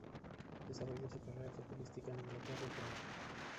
Desarrolló su carrera futbolística en Inglaterra y Francia.